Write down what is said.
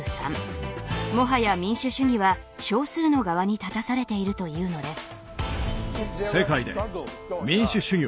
もはや民主主義は少数の側に立たされているというのです。